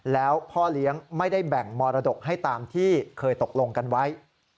แล้วพ่อเลี้ยงไม่ได้แบ่งมรดกให้ตามที่เคยตกลงกันไว้